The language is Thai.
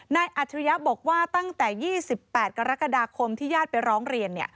อัจฉริยะบอกว่าตั้งแต่๒๘กรกฎาคมที่ญาติไปร้องเรียน